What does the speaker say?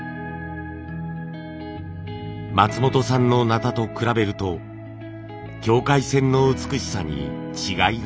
松本さんの鉈と比べると境界線の美しさに違いが。